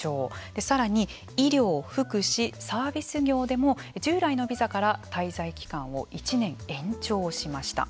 さらに、医療、福祉サービス業でも従来のビザから滞在期間を１年延長しました。